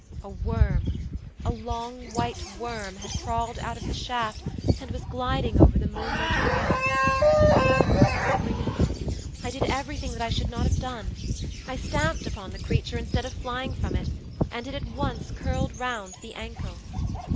A worm, a long white worm, had crawled out of the shaft and was gliding over the moonlit grass. 'I screamed. I did everything that I should not have done, I stamped upon the creature instead of flying from it, and it at once curled round the ankle.